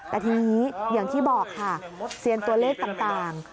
แต่ทีนี้อย่างที่บอกค่ะเซียนตัวเลขต่าง